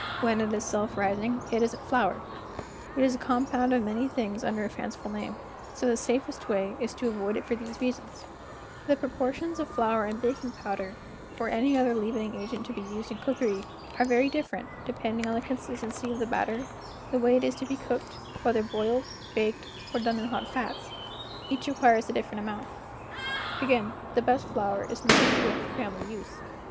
When it is self rising, it isn't flour; it is a com¬ pound of many things under a fanciful name, so the safest way is to avoid it for these reasons: The proportions of flour and baking powder, or any other leaven¬ ing agent to be used in cookery, are very different, depending on the consistency of the batter, the way it is to be cooked—whether boiled, baked, or done in hot fats; each requires a different amount. Again, the best flour is none too good for family use.